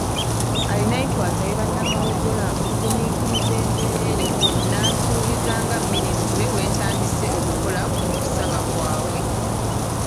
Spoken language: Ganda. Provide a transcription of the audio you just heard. Arinaitwe asabye bannamawogola okugumiikiriza embeera eriwo n'asuubiza nga Minisitule bw'etandise okukola ku kusaba kwabwe.